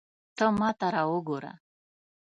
ته ماته را وګوره